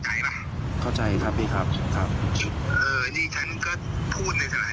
คุยกันต่อมาอีกทุกครั้งบ้าง